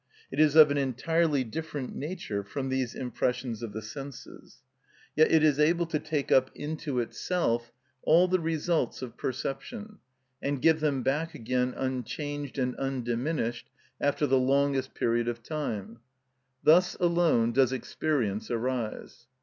It is of an entirely different nature from these impressions of the senses. Yet it is able to take up into itself all the results of perception, and give them back again unchanged and undiminished after the longest period of time; thus alone does experience arise.